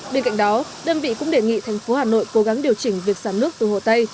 bên cạnh đó đơn vị cũng đề nghị thành phố hà nội cố gắng điều chỉnh việc xả nước từ hồ tây